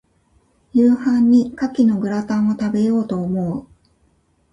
夕飯に牡蠣のグラタンを、食べようと思う。